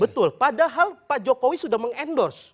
betul padahal pak jokowi sudah mengendorse